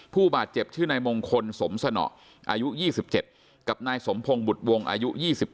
ผู้บาดเจ็บชื่อนายมงคลสมสนออายุ๒๗กับนายสมพงศ์บุตรวงศ์อายุ๒๙